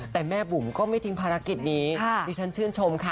แต่แม่บุ๋มก็ไม่ทิ้งภารกิจนี้ดิฉันชื่นชมค่ะ